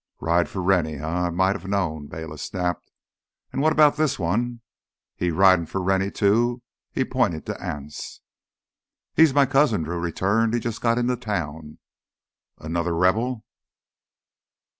"Rider for Rennie, eh? I might have known!" Bayliss snapped. "And what about this one—he riding for Rennie, too?" He pointed to Anse. "He's my cousin," Drew returned. "He just got into town." "Another Rebel?"